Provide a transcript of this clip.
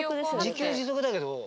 自給自足だけど。